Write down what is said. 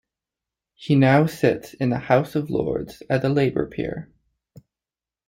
He now sits in the House of Lords as a Labour peer.